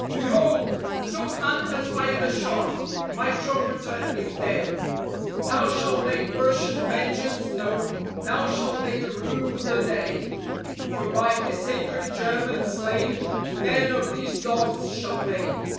"Behold! Some hand has fired a shot. My trumpeter is dead. Now shall they Prussian vengeance know; now shall they rue the day, For by this sacred German slain, ten of these dogs shall pay."